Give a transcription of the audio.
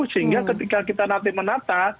sehingga ketika kita nanti menata